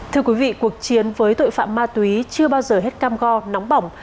thưa quý vị cuộc chiến với tội phạm ma túy chưa bao giờ hết cam go nóng bỏng